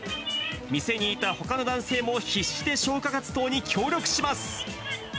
店にいたほかの男性も必死で消火活動に協力します。